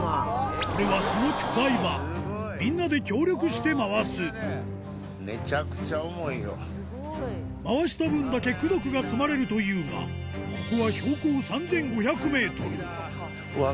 これはその巨大版みんなで協力して回す回した分だけ功徳が積まれるというがＯＫ！